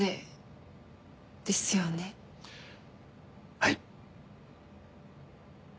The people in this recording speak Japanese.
はい。